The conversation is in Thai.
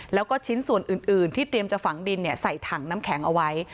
แล้วก็ชิ้นส่วนอื่นที่เตรียมจะฝังดินใส่ถังน้ำแข็งเอาไว้